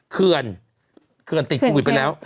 เขื่อนติดโควิดไปแล้ว